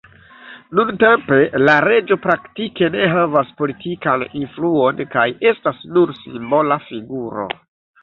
Nuntempe la reĝo praktike ne havas politikan influon kaj estas nur simbola figuro.